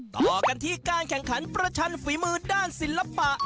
ต่อกันที่การแข่งขันประชันฝีมือด้านศิลปะ